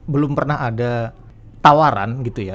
belum pernah ada tawaran gitu ya